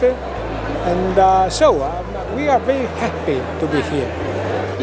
dan kami sangat senang berada di sini